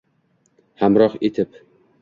Hamroh etib